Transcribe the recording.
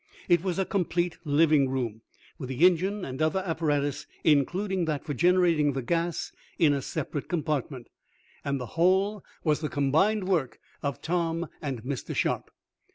It was a complete living room, with the engine and other apparatus, including that for generating the gas, in a separate compartment, and the whole was the combined work of Tom and Mr. Sharp.